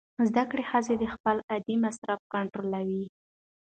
زده کړه ښځه د خپل عاید مصرف کنټرولوي.